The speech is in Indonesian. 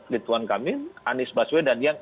rituan kamil anies baswedan yang